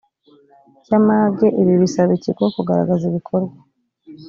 cy amage ibi bisaba ikigo kugaragaza ibikorwa